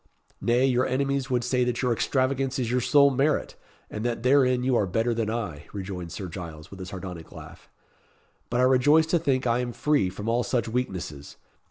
"Nay, your enemies would say that your extravagance is your sole merit, and that therein you are better than I," rejoined Sir Giles, with a sardonic laugh. "But I rejoice to think I am free from all such weaknesses.